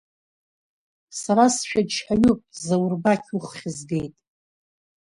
Сара сшәаџьҳәаҩуп, Заурбақь, уххьзгеит!